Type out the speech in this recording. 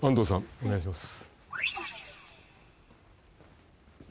お願いします